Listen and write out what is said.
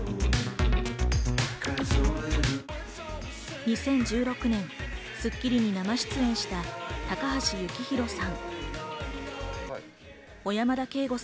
２０１６年、『スッキリ』に生出演した高橋幸宏さん。